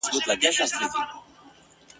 ژوند دي له اوره په لمبه ویاړې !.